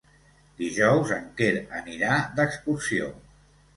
Dijous en Quer anirà d'excursió.